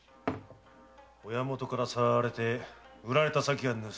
親許からさらわれて売られた先が盗人だ。